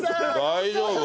大丈夫？